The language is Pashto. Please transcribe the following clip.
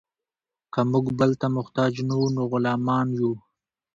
که موږ بل ته محتاج وو نو غلامان یو.